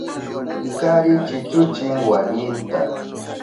Kari chichuchin warminta.